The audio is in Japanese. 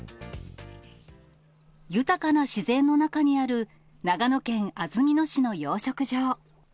豊かな自然の中にある長野県安曇野市の養殖場。